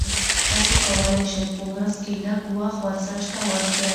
تاسي کولای شئ په ورځ کې لږ وخت ورزش ته ورکړئ.